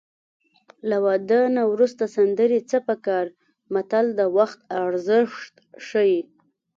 له واده نه وروسته سندرې څه په کار متل د وخت ارزښت ښيي